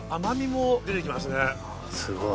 すごい。